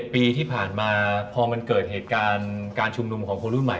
ปีที่ผ่านมาพอมันเกิดเหตุการณ์การชุมนุมของคนรุ่นใหม่